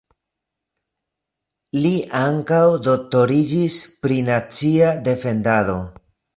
Li ankaŭ doktoriĝis pri nacia defendado.